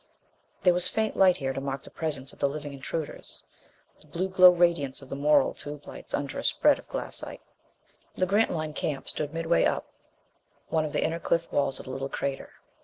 There was faint light here to mark the presence of the living intruders. The blue glow radiance of Morrell tube lights under a spread of glassite. The Grantline camp stood midway up one of the inner cliff walls of the little crater.